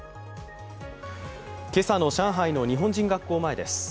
今朝の上海の日本人学校前です。